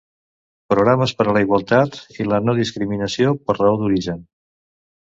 Programes per a la igualtat i la no-discriminació per raó d'origen.